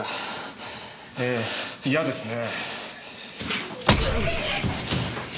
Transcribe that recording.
ええ嫌ですね。